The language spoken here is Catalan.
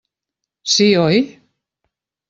Sí, oi?